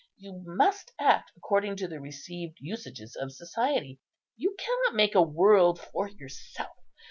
You must act according to the received usages of society! you cannot make a world for yourself.